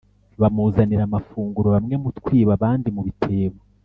bamuzanira amafunguro : bamwe mu twibo, abandi mu bitebo